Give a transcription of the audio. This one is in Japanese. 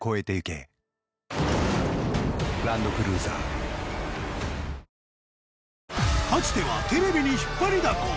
亘ここでかつてはテレビに引っ張りだこ